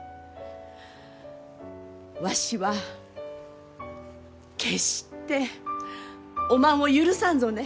わしは決しておまんを許さんぞね。